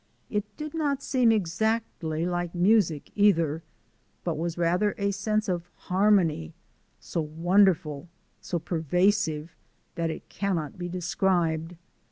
It did not seem exactly like music either, but was rather a sense of harmony, so wonderful, so pervasive that it cannot be described.